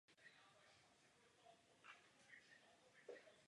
Můžete rovněž nastínit využití těchto peněz na podobné projekty?